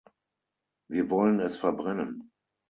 Wir wollen es verbrennen.